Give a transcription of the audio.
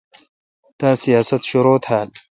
تا سیاست شرو تھال۔